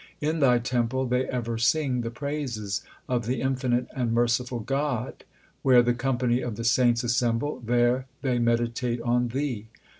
In thy temple they ever sing the praises of the infinite and merciful God. Where the company of the saints assemble, there they meditate on thee.